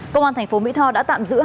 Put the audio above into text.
công an thành phố mỹ tho đã tạm giữ